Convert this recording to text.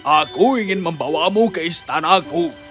aku ingin membawamu ke istanaku